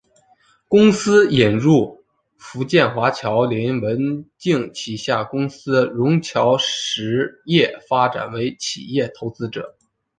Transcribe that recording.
公司引入福建华侨林文镜旗下公司融侨实业发展为企业投资者。